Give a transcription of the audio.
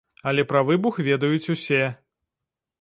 Але пра выбух ведаюць усе.